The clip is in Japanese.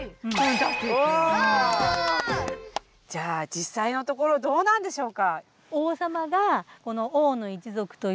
じゃあじっさいのところどうなんでしょうか？